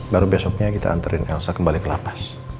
baru besoknya kita anterin elsa kembali kelapas